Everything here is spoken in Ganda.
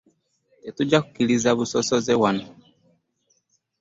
Tetujja kukkiriza busosoze wano.